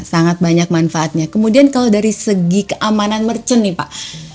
sangat banyak manfaatnya kemudian kalau dari segi keamanan merchant nih pak